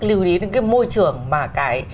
lưu ý đến cái môi trường mà cái